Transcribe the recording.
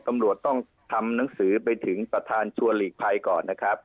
ตำรวจต้องทำหนังสือไปถึงประธานชวนหลีกภัยก่อนนะครับ